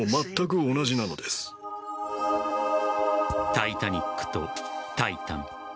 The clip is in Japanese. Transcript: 「タイタニック」と「タイタン」